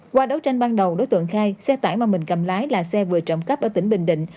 qua đấu tranh ban đầu đối tượng khai xe tải mà mình cầm lái là xe vừa trộm cắp ở tỉnh bình định